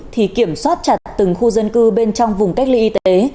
thì kiểm soát chặt từng khu dân cư bên trong vùng cách ly y tế